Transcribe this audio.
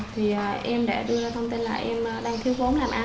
thì em đã đưa ra thông tin là em đang thiếu vốn làm ăn